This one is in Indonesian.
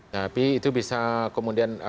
tapi itu bisa kemudian